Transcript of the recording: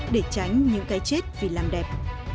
để tránh những cái chết vì làm đẹp